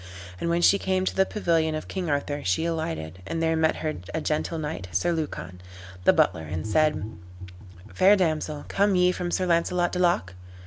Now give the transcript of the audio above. And when she came to the pavilion of King Arthur, she alighted, and there met her a gentle knight, Sir Lucan, the butler, and said, "Fair damsel, come ye from Sir Launcelot du Lac?"